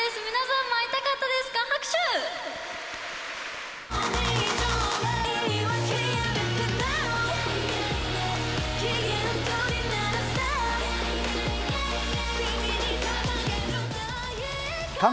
皆さんも会いたかったですか？